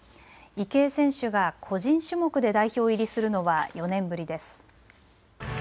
池江選手が個人種目で代表入りするのは４年ぶりです。